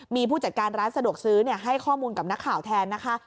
มีผู้จัดการร้านสะดวกซื้อให้ข้อมูลกับนักข่าวแทนนะคะ